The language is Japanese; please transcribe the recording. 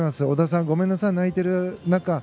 織田さん、ごめんなさい泣いてる中。